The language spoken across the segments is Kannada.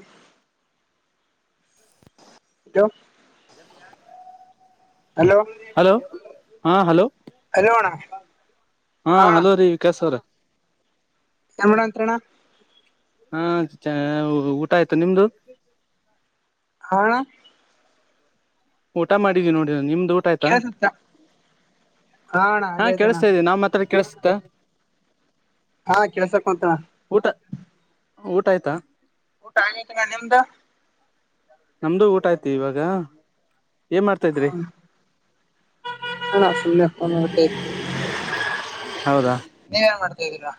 ಹ ಹಲೋ ಹಲೋ ಹಾ ಹಲೋ ಹಲೋ ಅಣ್ಣ ಹಾ ಹಲೋ ರೀ ವಿಕಶ ಅವ್ರ ಯಮಡಂತ್ರಣ್ಣ ಹಾ ಊಟ ಆಯ್ತು ನಿಮ್ದು ಹೌ ಊಟ ಮಾಡಿದೀವಿ ನೋಡ ನಿಮ್ದ ಊಟ ಆಯ್ತಾ ಕೇಳಸುತ್ತ ಅಣ್ಣ ಹಾ ಆಗೈತಣ್ಣ ಕೇಳಿಸತಾ ಇದೀ ನಾ್ ಮಾತ್ರಾ ಕ ತ್ತ ಹಾ ಕೆಲ್ಸಕ್ ಮಾತ್ರ ಊಟ ಆಯ್ತಾ ಊಟ ಆಯತ ನ ನಿಮ್ದ ನಮ್ದು ಊಟ ಆಯ್ತಿ ಇವಾಗ ಏನ್ ಮಾಡ್ತಾ ಇದ್ರಿ ಹ ಸುನ್ನೆ ಫನ್ ಹೊತ ಹೌದಾ ನೀವ ಏನ್ ಮಾಡ್ತಾ್ದೀಲ್ವಾ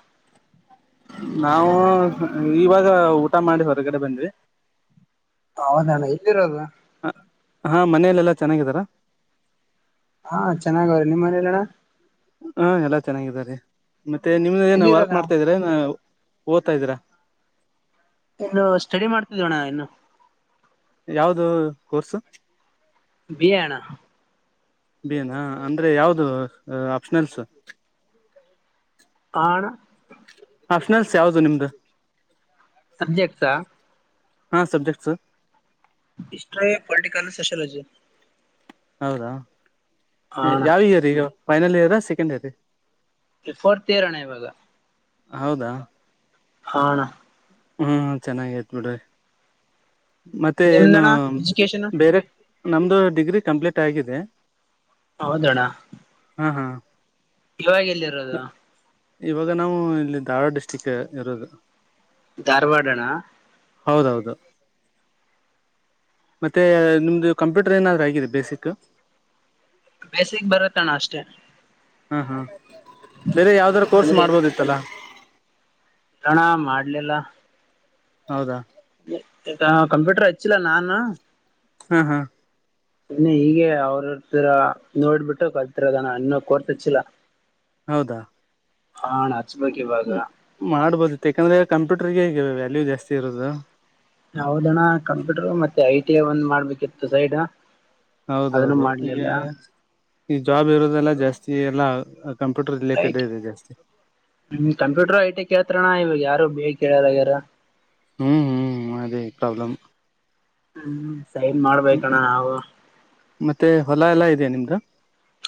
ನಾವು ಇವಾಗ ಊಟ ಮಾಡಿ ಹೊರಗಡೆ ಬಂದ್ವಿ ಹೌದಣ್ಣ ಎಲ್ಲಿರೋದು ಹ ಹಾ ಮನೇಲೆೆಲ್ಲಾ ಚೆನ್ನಾಗಿದಾರ ಹಾ ಚೆನ್ನಾಗ ಅವ್ರಿ ನಿಮ್ಮ್ ಮನಲಣ ಹಾ ಎಲ್ಲಾ ಚೆನ್ನಾಗಿದ್ದಾರೆ ಮತ್ತೆ ನಿಮ್ದ ಏನ ವರ್ಕ್ ಎಲ್ಲಿರೋದಣ ಮಾಡ್ತಾ ಇದ್ರ ಓ್ತಾ ಇದೀ್ರಾ ಇನ್ನು ಸ್ಟಡಿ ಮಾಡ್ತಿದವಣ್ಣ ಇನ್ನು ಯಾವ್ದ ಕೋರ್ಸು ಭ ಹಣ ಬೇನಾ ಅಂದ್ರೆ ಯಾವ್ದ ಆಪ್ಷನಲ್ಸ್ ಹಣ ಅಪ್ಷನನ್ಸ್ ಯಾವವುದು ನಿಮ್ದು ಸಬ್ಜೆಕ್ಟ್ಸಾ ಹಾ ಸಬ್ಜೆಕ್ಟ್ ಸ ಹ್ಟ್ರ ಪೊಲಿಟಿಕಲ್ ಸೋಶಿಯೋಲಜಿ ಹೌದಾ ಹಾ ಅಣ್ಣ ಯಾವ ಇಯರ್ ಈಗ final year second year four ತರಾನ ಇವಾಗ ಹೌದಾ ಹಣ ಹ್ಮ್ ಚೆನ್ನಾಗ ಆತ್ ಬಿಿಡ್ರಿ ಮತ್ತೆ ಏನು ನಿಮ್ದಣ್ಣ ಎಜುಕೇಶನ್ ಬೇರೆ ನಮ್ದು ಡಿಗ್ರಿ ಕಂಪ್ಲೀಟ್ ಆಗಿದೆ ಹೌದಣ್ಣ ಹಾ ಹಾ ಇವಾಗ ಎಲ್ಲಿರೋದು ಇವಾಗ ನಾವು ಇಲ್ಲಿ ಧಾರವಾಡ ಡಿಸ್ಟ್ರಿಕ್ ಇರೋದು ಧಾರವಾಡನಾ ಹೌದೌದು ಮತ್ತೆ ನಿಮ್ದು ಕಂಪ್ಯೂಟರ್ ಏನಾದ್ೂ ಆಗಿದೆ ಬೇಸಿಕ್ ಬೇಸಕ್ ಬರತಣ ಅಷ್ಟೇ ಹ್ಮ್ ಹ್ಮ ಬೇರೆ ಯಾವ್ದಾರ ಕೋರ್ಸ್ ಮಾಡ್ಬೋದಿತ್ತಲ್ಲಾ ಪ್ರಣ ಮಾಡಲಿಲ್ಲ ಹೌದಾ ಕಂಪ್ಯೂಟರ್ ಹಚ್ಚಿಲ್ಲ ನಾನು ಹಾ ಹಾ ಇನ್ನು ಹೀಗೆ ಅವ್ರರ್ತರ ನೋಡ್ಬಿಟ್ಟು ಕಲ್ತಿರದಾನ ಇನ್ನ ಕೋರ್ತಚ್ಚಿಲ್ಲ ಹೌದಾ ಹಣ ಹಚ್ಬೇಕ ಇವಾಗ ಮಾಡ್ಬೋದಿತ್ತು ಯಾಕಂದ್ರೆ ಕಂಪ್ಯೂಟರ್ಗೆ ಹೇಗ ವ್ಯಾಲ್ಯೂ ಜಾಸ್ತಿ ಇರೋದು ಹಾದಣ ಕಂಪ್ಯೂಟರ್ ಮತ್ತೆ ಐ ಟಿ ಒಂದ್ ಮಾಡ್ಬೇಕಿತ್ತು ಸೈಡ್ ಅದನ್ನು ಹೌದೌದು ಈಗ ಮಾಡ್ಲಿಲ್ಲ ಈ ಜಾಬ್ ಇರೋದೆಲ್ಲಾ ಜಾಸ್ತಿ ಎಲ್ಲ ಆಯ ಹ ಕಂಪ್ಯೂಟರ್ ಐಟಿ ಕ ಹತ್ರಣ ಇವಾಗ ಯಾರ ಬ ಕೆಳ ವರಾ ಹ್ಮ್ ಹ್ಮ್ ಅದೇ ಪ್ರಾಬ್ಲ್ ಹ್ಮ್ ಸೈನ್ ಮಾಡ್ಬೇಕಣ ನಾವು ಮತ್ತೆ ಹೊಲ ಎಲ್ಲಾ ಇದೆಯಾ ನಿಮ್ದು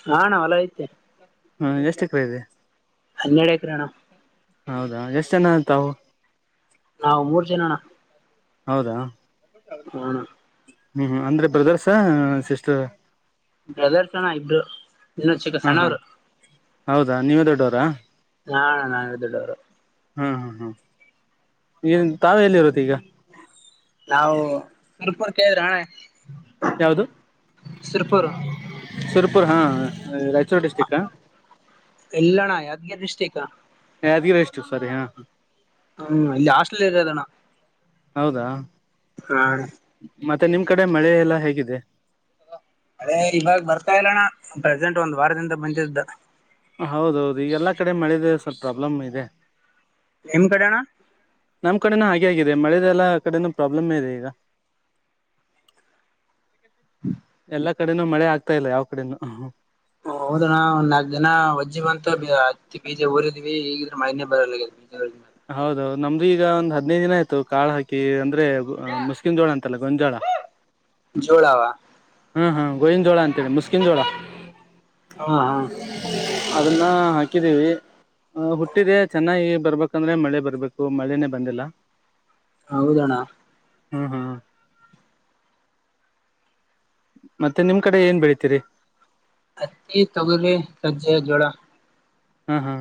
ಹ ನ್ ಅಲ ಐತೆ ಹ್ಮ ಎಷ್ಟು ಎಕರೆ ಇದೆ ಅನ್ನಡಕ್ಕೆ ರಣ ಹೌದಾ ಎಷ್ಟು ಜನ ತಾವು ನಾವ್ ಮೂರು ಜನಣ್ಣ ಹೌದಾ ಹ್ಮ ಅಂದ್ರೆ ಬ್ರದರ್ಸ ಸಿಸ್ಟರ್ ಬ್ರದರ್ಸಣ ಇಬ್ರು ಇನ್ನ ಚಕ್ಕ ಹಾ ಹಾ ಸಣರು ಹೌದಾ ನೀವೇ ದೊಡ್ಡವರಾ ನ ನಾನು ಎ್ದ ವರ ಹ್ಮ್ ಹ್ಮ್ ಹ್ಮ್ ನ್ ತಾವು ಎಲ್ಲಿರುದು ಈಗ ನಾವು ಸುರುಪುರ್ ಕೇಳಿದ್ರಾ ಅಣ್ಣ ಯಾವುದು ಸುರುಪುರ ಪುರ್ ಹಾ ರಾಯಚೂರು ಡಿಸ್ಟ್ರಿಕ್ ಇಲ್ಲಣ್ಣ ಯಾದಗಿರ್ ಡಿಸ್ಟ್ರಿಕ್ಟ್ ಯಾದಿಎಷ್ಟು ಸರಿ ಹಾ ಹಾ ಅವನು ಹಾಸ್ಟೆಲ್ ಇರುದಣ್ಣ ಹೌದಾ ಮತ್ತೆ ನಿಮ್ ಕಡೆ ಮಳೆ ಎಲ್ಲಾ ಹೇಗಿದೆ ಅದೇ ಇವಾಗ ಬರ್ತಾ ಇಲ್ಲಣ್ಣ ಪ್ರೆಜೆಂಟ್ ಒಂದು ಹೌದೌದು ಈಗೆಲ್ಲಾ ಕಡೆ ಮಳಿದೆ ಸ್ವಲ್ಪ ಪ್ರಾಬ್ಲಮ್ ಇದೆ ನಿಮ್ ಕಡೆಣ ನಮ್ ಕಡೆನ ಹಾಗೆ ಆಗಿದೆ ಮಳೆದೆಲ್ಲ ಕಡೆನೂ ಪ್ರಾಬ್ಲಮೇ ಇದೆ ಈಗ [unintelligible] ಎಲ್ಲಾ ಕಡೆನೂ ಮಳೆ ಆಗ್ತಾ ಇಲ್ಲ ಯಾವ ಕಡೆನೂ ಹೌದಣ ಒ ನಾಲ್ಕ ಜನ ವಜ್ಜ ಬಂತಂದ್ರ ಹತ್ತಿ ಬೀಜಾ ಉರ್ವಿ ದಿವಿ ಈಗಿದ್ರೆ ಮಳಿ ನೆ ಬರಲ್ಲ ಗೆದ ಹೌದೌದು ನಮ್ದು ಈಗ ಒಂದ್ ಹದಿನೈದು ದಿನ ಆಯ್ತ ಕಾಳ ಹಾಕಿ ಅಂದ್ರೆ ಮುಸ್ಕಿನಜೋಳ ಅಂತಲ್ಲ ಗಂಜೋಳ ಜೊಳಾವ ಹಾ ಹಾ ಗೋವಿಂದ ಜೋಳ ಅಂತೇಳಿ ಮುಸ್ಕಿನ್ ಜೋಳ ಹಾ ಹಾ ಅದನ್ನ ಹಾಕಿದ್ದೀವಿ ಆ ಹುಟ್ಟಿದ ಚೆನ್ನಾಗಿ ಬರ್ಬೇಕಂದ್ರೆ ಮಳೆ ಬರ್ಬೇಕು ಮಳೆನೆೇ ಬಂದಿಲ್ಲ ಹೌದಣ್ಣ ಹ್ಮ್ ಹ್ಮ್ ಮತ್ತೆ ನಿಮ್ ಕಡೆ ಏನ್ ಬೆಳತೀರಿ ಹತ್ತಿ ತೊಗರೆ ರಜ್ಜೆಯ ಜೋಳ ಹಾ ಹಾ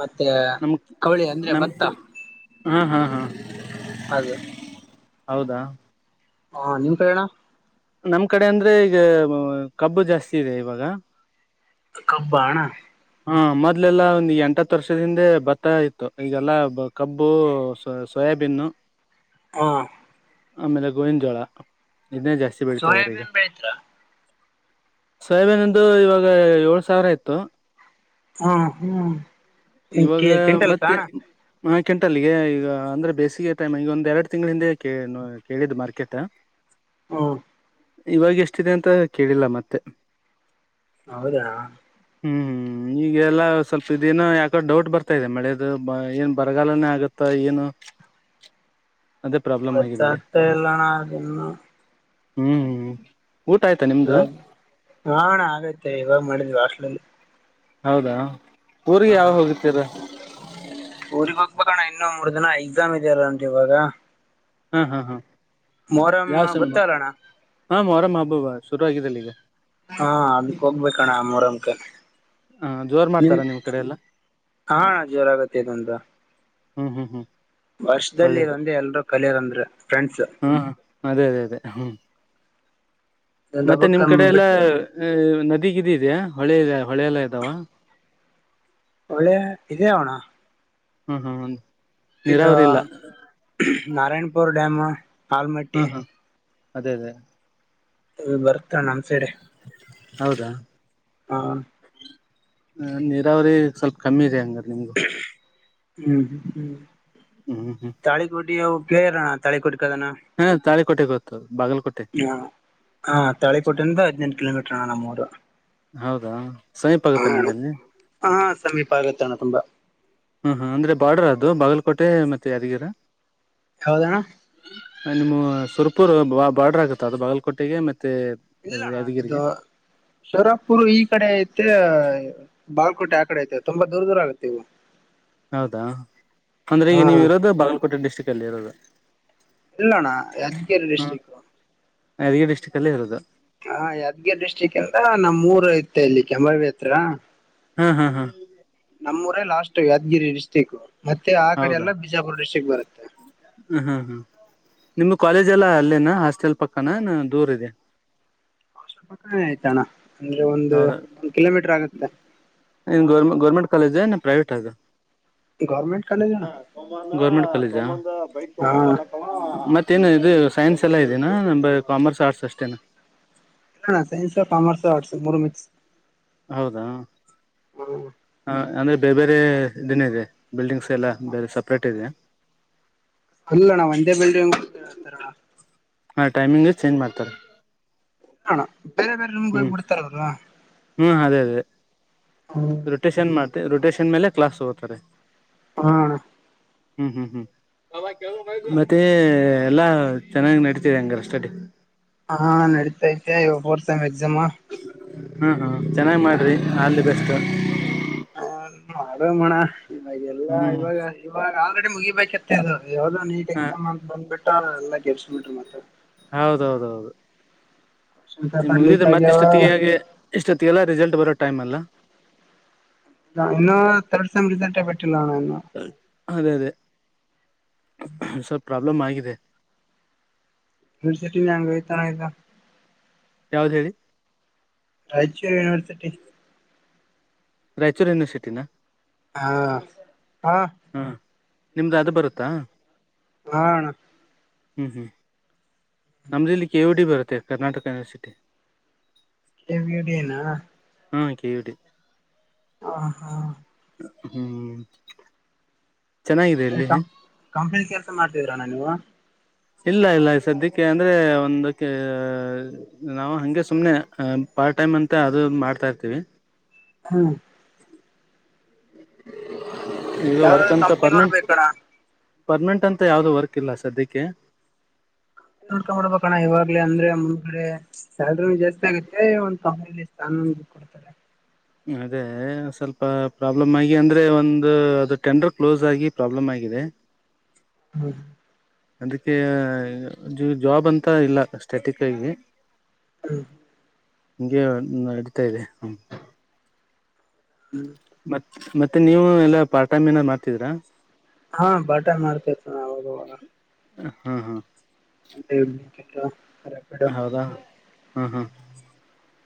ಮತ್ತೆ ನಮ ಕವಳಿ ಅಂದ್ರೆ ಭತ್ತ ನಮಕ್ ಹಾ ಹಾ ಹಾ ಅದು ಹೌದಾ ಹಾ ನಿಮ್ ಕಡೆಣ ನಮ್ ಕಡೆ ಅಂದ್ರೆ ಈಗ ಕಬ್ಬು ಜಾಸ್ತಿ ಇದೆ ಇವಾಗ ಕಬ್ಬ ಹ್ಣ ಹಾ ಮೊದ್ಲೆಲ್ಲಾ ಒಂದು ಎಂಟತ್ತು ವರ್ಷದಿಂದೆ ಭತ್ತ ಇತ್ತು ಈಗೆಲ್ಲಾ ಕಬ್ಬುಯ ಬೆನ್ನು ಹ ಆಮೇಲೆ ಗೋವಿಂದ ಜೋಳ ಇದನ್ನೇ ಜಾಸ್ತಿ ಬೆಳ್ತಾಾರೆ ಈಗ ಸೋಯಾಬೀನ್ ಬೆಳಿತೀರಾ ಶ್ರ್ಲಿಇವಾಗ ಏಳ್ ಸಾವಿರ ಆಯ್ತು ಹ್ಮ ಹ್ಮ್ ಇವಾಗ ಕ್ವಿಂಟಲ್ ಮತ್ತೆ ಕಾಣ ಮಾರ್ಕೆಂಟ್ ಅಲ್ಲಿಗೆ ಈಗ ಅಂದ್ರೆ ಬೇಸಿಗೆ ಟೈಮ್ ಈಗ ಒಂದ ಎರಡು ತಿಂಗಳ ಹಿಂದೆ ಕ ಕೇಳಿದ್ ಮಾರ್ಕೆಟ್ ಹ್ಮ ಇವಾಗ ಎಷ್ಟಿದೆ ಅಂತ ಕೇಳಿಲ್ಲ ಮತ್ತೆ ಹೌದಾ ಹ್ಮ್ ಹ್ಮ್ ಈಗೆಲ್ಲಾ ಸ್ವಲ್ಪ ಇದೇನ ಯಾ ಡೌಟ್ ಬರ್ತಾ ಇದೆ ಮಳೆದು ಏನ್ ಬರಗಾಲನೇ ಆಗುತ್ತ ಏನು ಅದೇ ಪ್ರಾಬ್ಲಮ್ ಆಗಿದೆ ಈಗ ಹೊಚತ್ತ ಎಲ್ಲಣ ಅದನ್ನು ಹ್ಮ್ ಹ್ಮ್ ಇವಾಗ ಹಣ ಆಗೈತ್ತ ಇವಾಗ ಮಾಡಿದ್ವಿ ವಾಷಲಲ್ಲಿ ಹೌದಾ ಊರಿಗೆ ಯಾವ ಹೋಗತೀರ ಊರಿಗೆಗ್ ಹೋಗ್ಬೋಣ ಇನ್ನೊ ಮೂರ್ ದಿನ ಎಕ್ಸಾಮ್ ಇದ್ಯಲ್ಲನ್ರಿ ಇವಾಗ ಹಾ ಹಾ ಹಾ ಮೊಹರಂ ಯಾವ ಸಮಯ ಗೊತ್ತಲ್ಲಣ್ಣ ಹ ಮರ ಮಾಬಬ ಶುರು ಆಗಿದ್ದಲ್ಲಿ ಈಗ ಹಾ ಅದಕ್ ಹೋಗ್ಬೇಕಣ್ಣ ಮೂರಂಕ ಹ ಜೋರ್ ಮಾಡ್ತಾರಾ ನಿಮ್ ಕಡೆ ಎಲ್ಲ ಹಾ ಜೋರಗತ್ತತ ಅಂದ ಹ್ಮ್ ಹ್ಮ್ ಹ್ಮ್ ಒಳ್ಳೇದು ವರ್ಷದಲ್ಲಿಂದ ಎಲ್ರೂ ಕಲಿಯದಂದ್ರೆ ಫ್ರೆಂಡ್ಸ್ ಹ್ಮ್ ಅದೇ ಅದೇ ಅದೇ ಹ್ಮ ಇದೊಂದು ಮತ್ತೆ ಹಬ್ಬಕ್ ನಿಮ್ ಕಡೆ ಎಲ್ಲಾ ಬಿಟ್ರೆ ನದಿ ಇದಗಿದ್ದ ಇದ್ಯಾಾ ಹೊಳೆಲ್ಲ ಹೊಳೆಲ್ಲ ಇದಾವ ಒಳ್ಳೆ ಇದದೆೇ ಆಣ ಹ್ಮ್ ಹ್ಮ್ ಇದು ನೀರಾವರಿ ಇಲ್ಲ ನಾರಾಯಣಪುರ್ ಡ್ಯಾಮು ಆಲ್ಮಟ್ಟಿ ಹ್ಮ್ ಹ್ಮ್ ಅದೇ ಅದೇ ಇ ಬರ್ತ ನ ಅನ್ಸೆಡೆ ಹೌದಾ ಹಾ ಹ ನೀರಾವರಿ ಸ್ವಲ್ಪ ಕಮ್ಮಿ ಇದೆ ಹಂಗ ಹ್ಮ್ ಹ್ಮ ಹ್ಮ್ ಹ್ಮ್ ಹ್ಮ್ ಹ್ಮ್ ತಾಳಿಿಕಟ ಅ ಕೇಳರೋಣ ತಲೆ ಕುಟ್ಟ ಹಾ ತಾರಿ ಕೊಟ್ಟೆ ಕೊತ ಹ ಹಾ ತಳಿಪಟ್ಟಿಂದ ಹದ್ಿನೆಂಟು ಕಿಲೋಮೀಟ್ರಣ್ಣ ನಮ್ಮೂರು ಹೌದಾ ಸಮೀಪ ಆಗುತ್ತ ನಿಮ್ಗಲ್ಲಿ ಭಾಗತಾಣ ತುಂಬಾ ಹ್ಮ ಹಾ ಅಂದ್ರೆ ಬಾರ್ಡರ್ ಅದು ಬಾಗಲಕೋಟೆ ಮತ್ತೆ ಯಾದಗಿರ ಹೌದಣ ನಿಮ್ಮ ಸುರ್ಪೂರ್ ಬಾರ್ಡ್ರ ಆಗುತ್ತ ಅದು ಬಾಗಲಕೋಟೆಗೆ ಮತ್ತೆ ಇಲ್ಲಣ್ಣ ಇದು ಯಾದಗಿರಿಗೆ ಶರಪುರು ಈ ಕಡೆ ಐತೆ ಬಾಲ್ಕೋಟೆ ಆ ಕಡೆ ಐತೆ ತುಂಬಾ ದೂರ ದೂರ ಆಗುತ್ತೆ ಇವು ಹೌದಾ ಅಂದ್ರೆ ಹಾ ಈಗ ನೀವು ಇರೋದು ಬಾಗಲಕೋಟೆ ಡಿಸ್ಟ್ರಿಕ್ ಅಲ್ಲಿ ಇರೋದು ಇಲ್ಲೋಣ್ಣ ಯಜ್ಗೇರಿ ಡಿಸ್ಟ್ರಿಕ್ ನ ಅದಗ ಡ್ಟಿಕ್ಲ್ಲಿ ಇೋದು ಹಾ ಯಾದ್ಗಿರ್ ಡಿಸ್ಟ್ರಿಕ್ ಎಂದ ನಮ್ಮ್ ಮೂೂರ ಇತ್ತ ಇಲ್ಲಿ ಕೆಂಬಲ್ಬತ್ರ ಹ್ಮ್ ಹ್ಮ್ ಹ್ಮ್ ನಮ್ಮ್ೂರ ಲಾಸ್ಟ್ ಯಾದಗಿರಿ ಡಿಸ್ಟ್ರಿಕ್ ಮತ್ತೆ ಆ ಕಡೆ ಹೌದಾ ಎಲ್ಲ ಬಿಜಾಪುರ ಡಿಸ್ಟ್ರಿಕ್ ಬರುತ್ತೆ ಹ್ಮ್ ಹ್ಮ್ ಹ್ಮ್ ನಿಮ್ ಕಾಲೇಜ್ ಎಲ್ಲ ಅಲ್ಲೇನ ಹಾಸ್ಟೆಲ್ ಪಕ್ಕನ ನ ದೂರ ಇದಿಯ ಅಲ್ಲೆ ಐಯ್ತಣ್ಣ ಅಂದ್ರೆ ಒಂದು ಹೌದಾ ಒಂದ್ ಕಿಲೋಮೀಟರ್ ಆಗತ್ತೆ ಏನ್ ಗೌರ್ಮೆ ಗೌರ್ಮೆಂಟ್ ಕಾಲೇಜ ಎನ ಪ್ರೈವೇಟ್ ಅದು ಗೌರ್ಮೆಂಟ್ ಕಾಲೆ ಗೌರ್ಮೆಂಟ್ ಕಾಲೇಜ ಹಾ ಮತ್ತ ಎನ ಇದು ಸೈನ್ಸ್ ಎಲ್ಲ ಇದೀನಾ ಅಂದ್ರೆ ಕಾಮರ್ಸ್ ಆರ್ಟ್ಸ್ ಅಷ್ಟೇನ ಹ ಸೈನ್ಸ್ ಕಾಮರ್ಸ್ ಆರ್ಟ್ಸ್ ಮುರು ಮಿಕ್ಸ್ ಹೌದಾ ಹ್ಮ್ ಹ ಅನೆದ್ ಬೇರೆ ಬೇರೆ ದಿನ್ನೆ ಇದೆ ಬಿಲ್ಡಿಂಗ್ಸ್ ಎಲ್ಲ ಬೇರೆ ಸಪ್ರೇಟ್ ಇದಿಯ ಇಲ್ಲಣ್ಣ ಒಂದೇ ಬಿಲ್ಡಿಂಗು ಹಾ ಟೈಮಿಂಗ್ ಚೇಂಜ್ ಮಾಡ್ತಾರ್ ಅಣ ಬೇರೆ ಬೇರೆ ರೂಮ್ಗೋಗ್ ಬಿಡ್ತಾರ ಅವ್ರು ಹ್ಮ್ ರೊಟೇಶನ್ ಮಾಡ್ತೆ ರೊಟೇಶನ್ ಮೇಲೆ ಕ್ಲಾಸ್ ತಗೊತ್ತರೆ ಹಅಣ ಹ್ಮು ಹ್ಮು ಹ್ಮ್ ಮತ್ತೇ ಎಲ್ಲಾ ಚೆನ್ನಾಗ್ ನಡಿತಿದೆ ಹಂಗರೆ ಎಸ್ಟೇಟ್ ಹಾ ನಡೀತೈತೆ ಇವಾಗ್ ಫೋರ್ಸೆಮ್ ಎಕ್ಸಾಮು ಹು ಚೆನ್ನಾಗ್ ಮಾಡ್ರಿ ಆಲ್ದಿ ಬೆಸ್ಟು ಹ ಮಾಡುವ ಮೋಣ ಇವಾಗಲ್ಲ ಹ್ಮ್ ಇವಾಗ ಇವಾಗ ಆಲ್ರೆಡಿ ಮುಗಿಬೇಕತ್ ಇದು ಯಾವದೋ ನೀಟ್ ಹ ಎಕ್ಸಾಮ್ ಅಂತ ಬಂದ್ಬಿಟ್ಟು ಎಲ್ಲಾ ಕೆಡ್ಸಿಬಿಟ್ರು ಮತ್ತ ಹೌದೌದೌದು ಇನ್ ಶಂಕರ್ಪಡ್ ಲೀಕ್ ಮುಗ್ದಿದ್ರೆ ಮತ್ತೆ ಆಗ್ಯಾವ ಇಷ್ಟೊತ್ತಿಗೆ ಹಾಗೆ ಇಷ್ಟೊತ್ತಿಗೆಲ್ಲ ರಿಸಲ್ಟ್ ಬರೋ ಟೈಮ್ ಅಲ್ಲ ನಾ ಇನ್ನೂ ತರ್ಡ್ ಸೆಮ್ ರಿಸಲ್ಟ್ ಬಿಟ್ ಅದೇ ಅದೇ ಸ್ವಲ್ಪ್ ಪ್ರಾಕ್ ಬ್ಲಮ್ ಆಗಿದೆ ಇನಿಸಿಟಿವ್ ಹಂಗೈತನ ಇಲ್ಲಾ ಯಾವ್ದೇಳಿ ರಾಯ್ಚೂರು ಯೂನಿವೇರ್ಸಿಟಿ ರಾಯ್ಚೂರ ಯನಿವರ್ಸಿಟಿನಾ ಹಾ ಹಾ ಹು ನಿಮ್ಗ್ ಅದು ಬರುತ್ತಾ ಹಾ ಅಣ್ಣ ಹ್ಮ್ ಹ್ಮ್ ನಮ್ದ್ ಇಲ್ಲಿ ಕೆ ಒ ಡಿ ಬರುತ್ತೆ ಕರ್ನಾಟಕ ಯುನಿವರ್ಸಿಟಿ ತೆ ಎ ವಿಡಿ ಏನಾ ಹು ಕೆಯುಡಿ ಹ ಹಾ ಹ್ಮೂ ಐಯಪ್ಪ ಕಂಪನಿ ಕೆಲ್ಸ ಮಾಡ್ತಿದಿರಣ ನೀವು ಇಲ್ಲ ಇಲ್ಲ ಸದ್ಯಕ್ಕೆ ಅಂದ್ರೆ ಒಂದಕ್ಕೇ ನಾವು ಹಂಗೆ ಸುಮ್ನೆ ಅ ಪಾರ್ಟ್ ಟೈಮ್ ಅಂತ ಅದು ಮಾಡ್ತಾ ಇರ್ತಿವಿ ಹ್ಮು ಈಗ ಯಾವ್ದಾದ ವರ್ಕಂತ ಕಂಪ್ನಿ ಪರ್ಮೆಂಟ್ ನೋಡ್ಬೇಕಣ್ಣ ಪರ್ಮೆಂಟ್ ಅಂತ ಯಾವ್ದು ವರ್ಕ್ ಇಲ್ಲ ಸದ್ಯಿಕ್ಕೆ ನೋಡ್ಕಬಿಡ್ಬೇಕಣ್ಣ ಇವಾಗ್ಲೇ ಅಂದ್ರೆ ಮುಂದಗಡೆ ಸ್ಯಾಲ್ರಿ ಜಾಸ್ತಿ ಆಗುತ್ತೆ ಒಂದ್ ಕಂಪನಿಲಿ ಸ್ಥಾನ ಹ್ಮು ಕೊಡ್ತಾರೆ ಅದೇ ಸ್ವಲ್ಪ ಪ್ರಾಬ್ಲಮ್ ಆಗಿ ಅಂದ್ರೆ ಒಂದು ಅದು ಟೆಂಡರ್ ಕ್ಲೋಸ್ ಆಗಿ ಪ್ರಾಬ್ಲಮ್ ಆಗಿ ಇದೆ ಹ್ಮ್ ಅದಕ್ಕೇ ಜೊಜಾಬ್ ಅಂತ ಇಲ್ಲ ಸ್ಟಾಟಿಕ್ಕಾಗಿ ಹ್ಮು ಹಂಗೆ ನಡಿತೈದೆ ಹ್ಮು ಹ್ಮ್. [inaudible] ಮತ್ ಮತ್ತೆ ನೀವು? ಎಲ್ಲಾದ್ರೂ ಪಾರ್ಟ್ ಟೈಮ್ ಮಾಡ್ತಾ ಇದ್ದೀರಾ! [unintelligible] ಹೂ, ಪಾರ್ಟಿ ಮಾಡ್ತಾ ಇದೀನಿ, ಅವಾಗವಾಗ! [unintelligible] ಹಾ, ಹೂ, ಹೂ. [inaudible] ಅದು ಏನಕ್ಕೆ ಕೇಳು? [unintelligible] ಹೌದಾ, ಹ್ಮ್, ಹ್ಮ್. [unintelligible]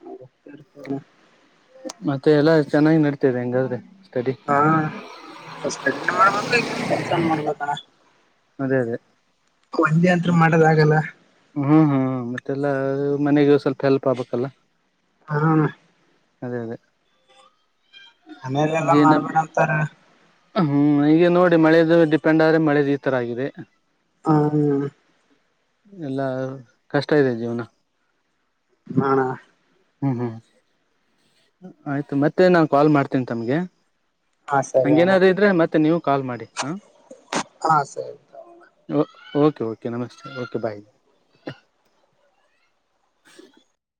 ಅವರು ಹುಡುಕ್ತಾ ಇರ್ತಾರೆ? [unintelligible] ಮತ್ತೆ, ಎಲ್ಲಾ ಚೆನ್ನಾಗಿ ನಡತಿದೆ ಹೆಂಗಾದ್ರೆ? [unintelligible] ಹಾ, ಫಸ್ಟ್ ಎಲ್ಲಾ ಕೈ ಕೊಡುವ ಕೆಲಸ ಮಾಡಬೇಕು, ಅಣ್ಣಾ? [inaudible] ಮರ್ಯಾದೆ, ಒಂದೇ ಅಂತ್ರ ಹ್ಮ್, ಮಾಡದಾಗಲ್ಲ ಹ್ಮ್, ಅದೇ, ಮತ್ತೆಲ್ಲ? [unintelligible] ಮನೆಗೆ, ಸ್ವಲ್ಪ ಹೆಲ್ಪ್ ಆಗ್ಬೇಕಲ್ಲ? [inaudible] ಕಾರಣ? [inaudible] ಅದೇ, ಅದೇ! [inaudible] ಮನೇಲಿ, ಎಲ್ಲಾ, ಏನ ಮಾಡಬೇಡ ಅಂತಾರೆ? [inaudible] ಹ್ಮ್ ಈಗ ನೋಡಿ ಮಳೆದು! ಡಿಪೆಂಡ್, ಆದ್ರೆ ಮಳೆದು, ಈ ತರ ಆಗಿದೆ? [inaudible] ಹ, ಹೇಳಿ ಅಣ್ಣ? [inaudible] ಎಲ್ಲಾರು ಕಷ್ಟ ಇದೆ, ಜೀವನ? [inaudible] ಹ, ಅಣ್ಣಾ? [inaudible] ಹ್ಮ್, ಹ್ಮ್, ಆಯ್ತು ಮತ್ತೆ! ನಾನ್ ಕಾಲ್ ಮಾಡ್ತೇನಿ, ತಮ್ಗೆ? ಹಾ [inaudible] ಸರಿ ಅಣ್ಣ ಹಂಗೇನಾದಾರು, ಇದ್ರೆ ಮತ್ತೆ ನೀವು ಕಾಲ್ ಮಾಡಿ? [inaudible] ಹಾ, ಸರಿ. ಬಿಡು ಆಯ್ತು! [inaudible] ಓಕೆ, ಓಕೆ, ನಮಸ್ತೆ, ಓಕೆ ಬಾಯ್! [inaudible]